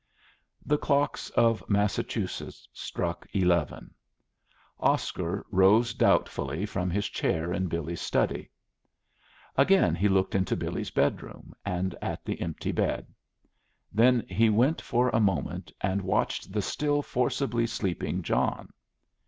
The clocks of Massachusetts struck eleven. Oscar rose doubtfully from his chair in Billy's study. Again he looked into Billy's bedroom and at the empty bed. Then he went for a moment and watched the still forcibly sleeping John.